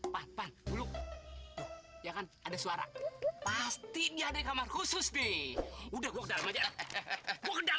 pasti dia ada kamar khusus deh udah